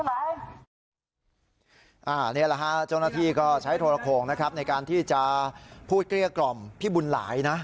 นี่แหละฮะเจ้าหน้าที่ก็ใช้โทรโขงนะครับในการที่จะพูดเกลี้ยกล่อมพี่บุญหลายนะ